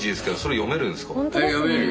読めるよ。